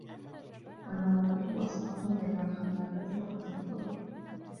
وَالْمَوَدَّةُ وَاسِطَةٌ بَيْنَ الْخَلَّابَةِ وَحُسْنِ الْخُلُقِ